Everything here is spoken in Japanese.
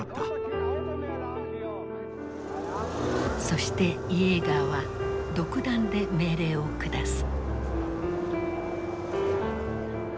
そしてイエーガーは独断で命令を下す。